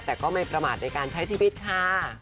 แต่ก็ไม่ประมาทในการใช้ชีวิตค่ะ